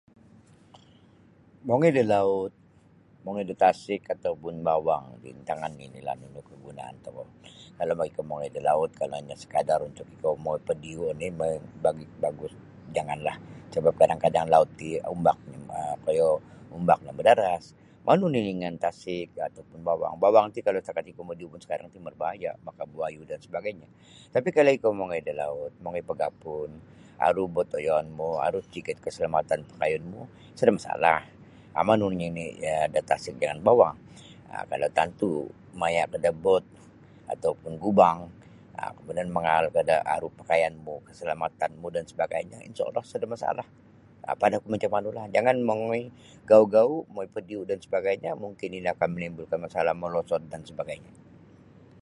Mongoi da laut, mongoi da tasik ataupun bowong ti intangan nini la nunu kagunaan tokou kalau ikau mongoi da laut kalau lainka sakadar mongoi padiu oni bagus bagus janganlah sabab kadang-kadang laut ti umbaknyo um koyo umbak no madaras manu nini jaan tasik ataupun bowong bowong tinkalau satakat ikau madiu pun skarang ti marbahaya maka buayu dan sebagainya tapi kalau ikau mongoi da laut mongoi pagapun aru bot ayaon mu aru jikit kasalamatan pakayun mu sada masalah um manu nini da tasik jangan bowong um kalau tantu maya ko da bot ataupun gubang um kamudian mangaal ko da aru pakaian mukasalamatan mu dan sabagainya InshaAllah sada masalah [unintelligible] macam manu lah jangan mongoi gau'-gau' mongoi padiu dan sabagainya mungkin ino akan manimbulkan masalah molosod dan sabagainya.